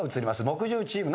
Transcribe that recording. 木１０チーム。